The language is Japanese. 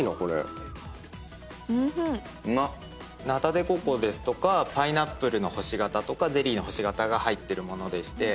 ナタデココですとかパイナップルの星形とかゼリーの星形が入ってる物でして。